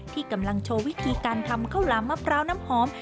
ที่กำลังโชว์วิธีการทำข้าวหลามมะพร้าวน้ำหอม